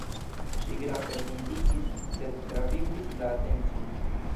Ŝi grave vundiĝis, sed travivis la atencon.